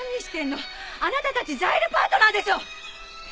あなたたちザイルパートナーでしょ！